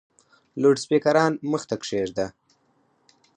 لوډسپیکران مخ ته کښېږده !